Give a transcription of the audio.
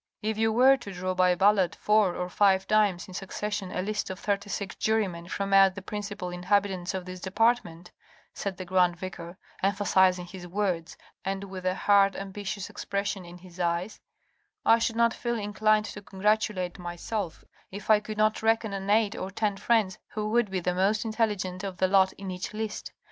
" If you were to draw by ballot four or five times in suc cession a list of thirty six jurymen from out the principal inhabitants of this department," said the grand Vicar, em phasizing his words, and with a hard, ambitious expression in his eyes, " I should not feel inclined to congratulate myself, if I could not reckon on eight or ten friends who would be the most intelligent of the lot in each list.